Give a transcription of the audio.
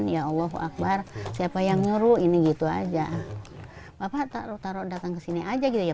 ya allahu akbar siapa yang nyuruh ini gitu aja bapak taruh taruh datang ke sini aja gitu ya